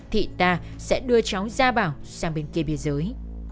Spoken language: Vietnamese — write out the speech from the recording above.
thì ta sẽ đưa cháu gia bảo sang bên kia biên giới